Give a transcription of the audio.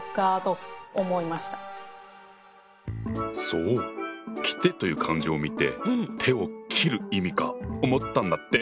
そう「切手」という漢字を見て手を切る意味か思ったんだって。